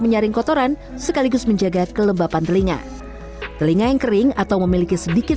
menyaring kotoran sekaligus menjaga kelembapan telinga telinga yang kering atau memiliki sedikit